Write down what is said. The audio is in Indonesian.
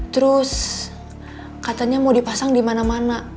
terus katanya mau dipasang di mana mana